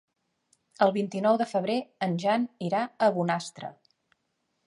El vint-i-nou de febrer en Jan irà a Bonastre.